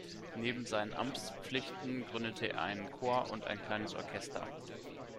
Neben seinen Amtspflichten gründete er einen Chor und ein kleines Orchester.